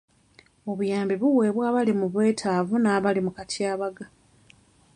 Obuyambi buweebwa abali mu bwetaavu n' abali mu katyabaga.